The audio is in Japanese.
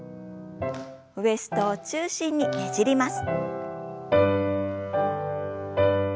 ウエストを中心にねじります。